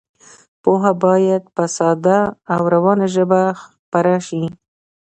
پوهه باید په ساده او روانه ژبه خپره شي.